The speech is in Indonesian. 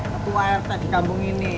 ketua rt di kampung ini